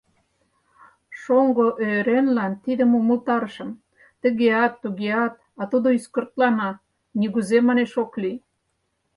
Шоҥго Ӧӧренлан тидым умылтарышым, тыгеат, тугеат, а тудо ӱскыртлана: нигузе, манеш, ок лий!